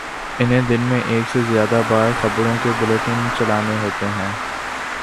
انہیں دن میں ایک سے زیادہ بار خبروں کے بلیٹن چلانا ہوتے ہیں۔